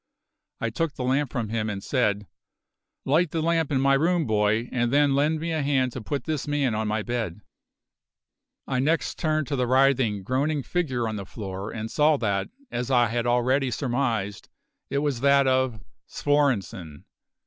I took the lamp from him and said: "Light the lamp in my room, boy, and then lend me a hand to put this man on my bed." I next turned to the writhing, groaning figure on the floor and saw that, as I had already surmised, it was that of Svorenssen!